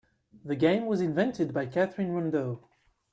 The game was invented by Catherine Rondeau.